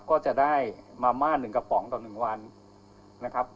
ก็จะได้มาม่าหนึ่งกระป๋องต่อหนึ่งวันนะครับ